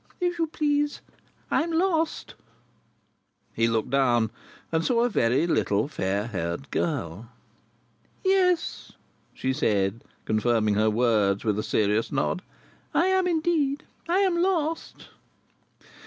If you please, I am lost." He looked down, and saw a very little fair haired girl. "Yes," she said, confirming her words with a serious nod. "I am indeed. I am lost."